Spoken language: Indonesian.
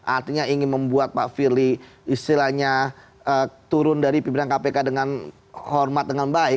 artinya ingin membuat pak firly istilahnya turun dari pimpinan kpk dengan hormat dengan baik